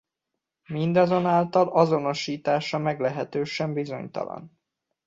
Mindazonáltal azonosítása meglehetősen bizonytalan.